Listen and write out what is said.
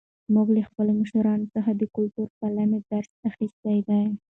موږ له خپلو مشرانو څخه د کلتور پالنې درس اخیستی دی.